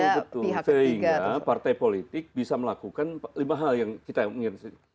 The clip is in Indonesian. betul sehingga partai politik bisa melakukan lima hal yang kita ingin